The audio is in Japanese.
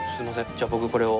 じゃあ僕これを。